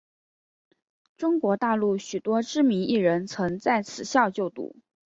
中国大陆许多知名艺人曾在此校就读。